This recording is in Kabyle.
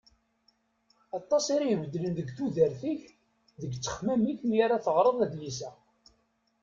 Aṭas ara ibeddlen deg tudert-ik d ttexmam-ik mi ara teɣreḍ adlis-a.